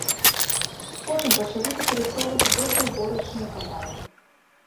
Потым пачалі выкарыстоўваць збожжаўборачныя камбайны.